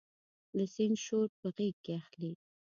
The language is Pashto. د سیند شور په غیږ کې اخلي